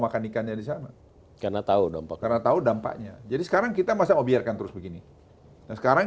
makan ikannya di sana karena tahu dampaknya jadi sekarang kita masih biarkan terus begini sekarang